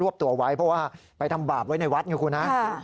เพราะว่าไปทำบาปไว้ในวัดนะครับคุณฮะ